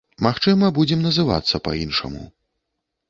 Магчыма, будзем называцца па-іншаму.